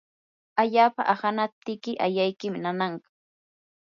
allapa ahanaptiki ayaykim nananqa.